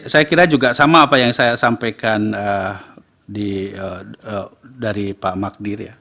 saya kira juga sama apa yang saya sampaikan dari pak magdir ya